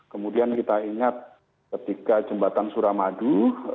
kemudian kita ingat ketika jembatan suramadu